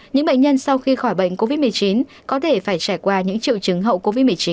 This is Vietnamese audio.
những bệnh nhân sau khi khỏi bệnh covid một mươi chín có thể phải trải qua những triệu chứng hậu covid một mươi chín